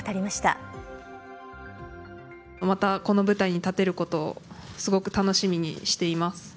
また、この舞台に立てることをすごく楽しみにしています。